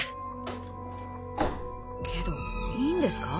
けどいいんですか？